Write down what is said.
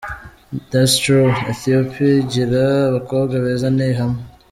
That is true!! Ethiopie igira abakobwa beza ni ihamwe.